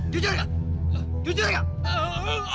jujur nggak jujur nggak